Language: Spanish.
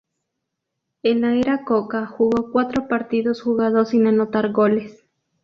En la "Era Cocca" jugó cuatro partidos jugados sin anotar goles.